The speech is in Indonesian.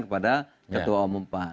kepada ketua umpan